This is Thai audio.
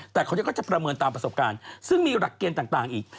แต่เขาจะประเมินตามประสบการณ์ซึ่งมีหลักเกณฑ์ต่างอีก